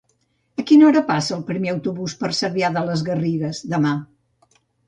A quina hora passa el primer autobús per Cervià de les Garrigues demà?